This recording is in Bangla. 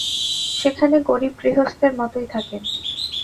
সেখানে গরিব গৃহস্থের মতোই থাকেন।